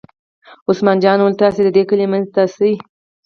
عثمان جان وویل: تاسې د دې کلي منځ ته شئ.